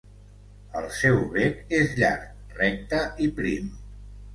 El seu bec és llarg, recte i prim.